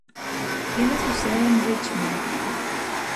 Tiene su sede en Richmond.